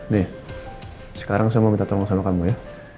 nih sekarang saya mau minta tolong senangkanmu ya